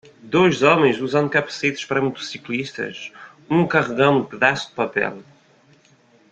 Dois homens usando capacetes para motociclistas? um carregando um pedaço de papel.